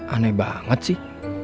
aneh banget sih